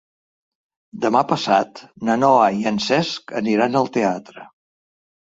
Demà passat na Noa i en Cesc aniran al teatre.